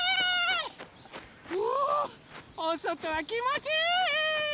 うわおそとはきもちいい！